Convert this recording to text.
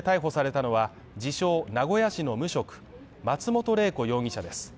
放火の疑いで逮捕されたのは、自称名古屋市の無職松本玲子容疑者です。